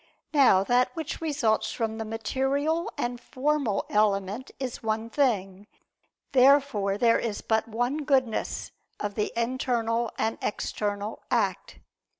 Now that which results from the material and formal element is one thing. Therefore there is but one goodness of the internal and external act.